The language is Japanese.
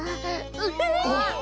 うっ。